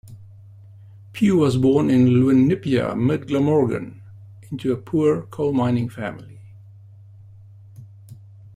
Pugh was born in Llwynypia, Mid Glamorgan, into a poor coal mining family.